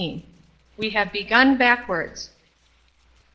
"WE HAVE BEGUN BACKWARDS."